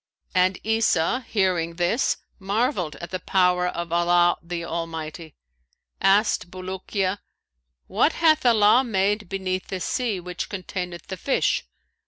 And Isa hearing this marvelled at the power of Allah the Almighty. Asked Bulukiya, 'What hath Allah made beneath this sea which containeth the fish?'